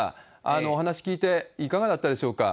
お話聞いていかがだったでしょうか？